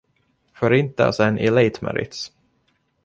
Förintelsen i Leitmeritz.